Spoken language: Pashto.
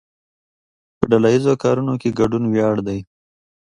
په ډله ایزو کارونو کې ګډون ویاړ دی.